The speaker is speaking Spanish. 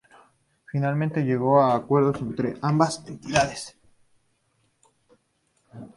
Finalmente se llegó a un acuerdo entre ambas entidades.